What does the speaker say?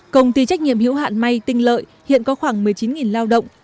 công ty trách nhiệm hữu hạn may tinh lợi hiện có khoảng một mươi chín lao động